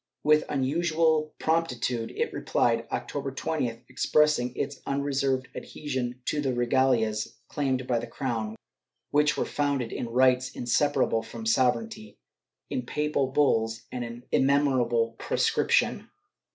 With unusual promptitude it replied, October 20th, expressing its unreserved adhesion to the regalias claimed by the crown, which were founded in rights inseparable from sovereignty, in papal bulls, and in immemorial prescription.